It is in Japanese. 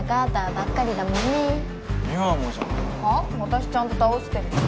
私ちゃんと倒してるし！